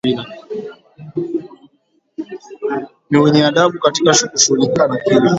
ni wenye adabu katika kushughulika na kila